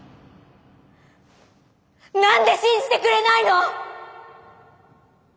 何で信じてくれないの！